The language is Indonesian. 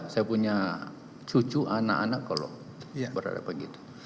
saya punya cucu anak anak kalau berada begitu